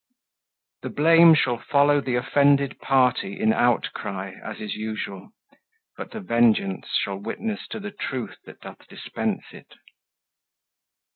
The blame shall follow the offended party In outcry as is usual; but the vengeance Shall witness to the truth that doth dispense it.